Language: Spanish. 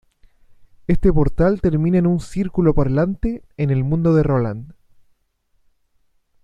Este portal termina en un "círculo parlante" en el mundo de Roland.